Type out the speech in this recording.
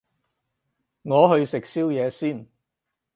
我去食宵夜先